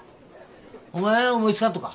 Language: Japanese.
お前や思いつかんとか？